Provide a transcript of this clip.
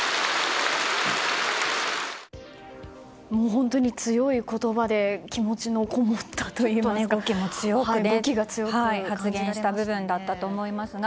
本当に強い言葉で気持ちのこもったといいますか語気も強く発言した部分だったと思いますが。